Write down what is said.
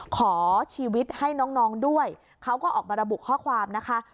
ขอชีวิตให้น้องด้วยเขาก็ออกมาระบุข้อความนะคะ